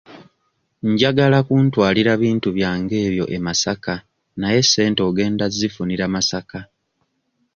Njagala kuntwalira bintu byange ebyo e Masaka naye ssente ogenda zzifunira Masaka.